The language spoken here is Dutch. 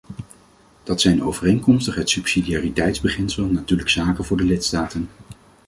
Dat zijn overeenkomstig het subsidiariteitsbeginsel natuurlijk zaken voor de lidstaten.